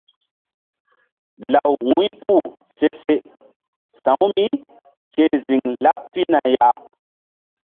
Law wu̧y puh se se sa̧w mí ke ziŋ laɓ pihna ya.